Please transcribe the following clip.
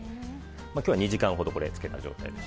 これは２時間ほど漬けた状態です。